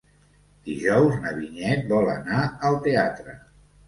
Dijous na Vinyet vol anar al teatre.